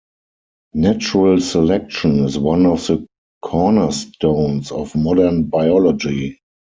Natural selection is one of the cornerstones of modern biology.